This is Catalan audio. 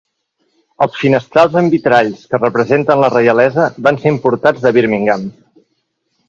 Els finestrals amb vitralls que representen la reialesa van ser importats de Birmingham.